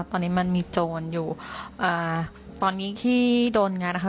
ตอนนี้มันมีโจรอยู่ตอนนี้ที่โดนงัดนะคะ